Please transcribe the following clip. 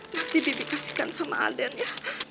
nanti bibi kasihkan sama aden ya